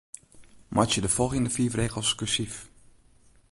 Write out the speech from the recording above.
Meitsje de folgjende fiif rigels kursyf.